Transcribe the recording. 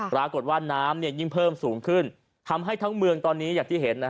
น้ำยิ่งเพิ่มสูงขึ้นทำให้ทั้งเมืองตอนนี้อย่างที่เห็น